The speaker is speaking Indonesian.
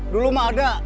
dulu mah ada